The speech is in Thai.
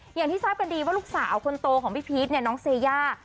อย่างที่ทราบกันดีว่าลูกสาวคนโตของพี่พีชเนี่ยน้องเซย่า